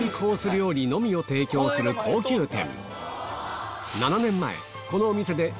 料理のみを提供する高級店